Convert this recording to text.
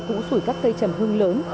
cũng sủi các cây trầm hương lớn